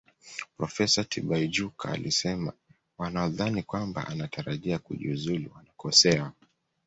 Profesa Tibaijuka alisema wanaodhani kwamba anatarajia kujiuzulu wanakosea